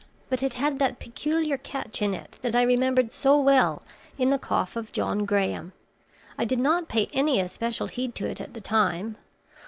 but it had that peculiar catch in it that I remembered so well in the cough of John Graham. I did not pay any especial heed to it at the time.